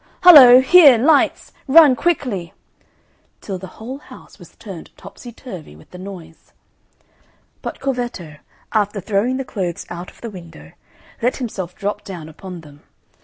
Hollo, here, lights! Run quickly!" till the whole house was turned topsy turvy with the noise. But Corvetto, after throwing the clothes out of the window, let himself drop down upon them.